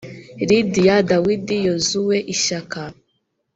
lidiya, dawidi, yozuwe, ishyaka,